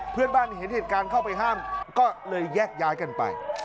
เพื่อนบ้านเห็นเหตุการณ์เข้าไปห้ามก็เลยแยกย้ายกันไป